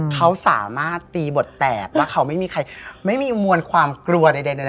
เขาสามารถตีบทแตกว่าเขาไม่มีใครไม่มีมวลความกลัวใด